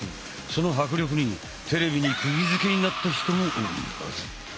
その迫力にテレビにくぎづけになった人も多いはず。